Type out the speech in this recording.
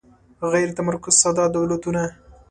غیر متمرکز ساده دولتونه